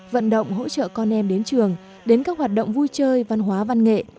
vận động hỗ trợ con em đến trường đến các hoạt động vui chơi văn hóa văn nghệ